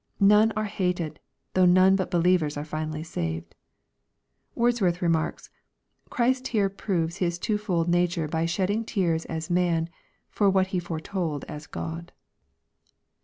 None are hated, though none but be lievers are finally saved. Wordsworth remarks, " Christ here proves His twofold nature by shedding tears as man, for what He foretold as Gk)d."